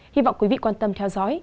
hy vọng quý vị quan tâm theo dõi